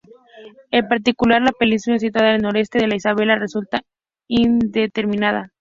En particular, la península situada al noroeste de la Isabella resulta indeterminada.